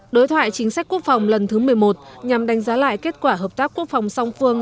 đối thoại chính sách quốc phòng lần thứ một mươi một nhằm đánh giá lại kết quả hợp tác quốc phòng song phương